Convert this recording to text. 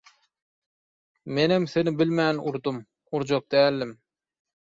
Menem seni bilmän urdum, urjak däldim.